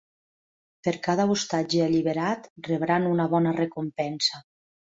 Per cada ostatge alliberat rebran una bona recompensa.